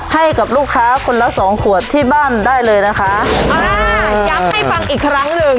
ให้กับลูกค้าคนละสองขวดที่บ้านได้เลยนะคะอ่าย้ำให้ฟังอีกครั้งหนึ่ง